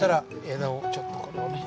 枝をちょっとこれをね